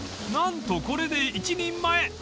［何とこれで１人前］